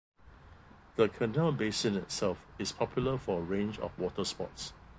The canal basin itself is popular for a range of water sports.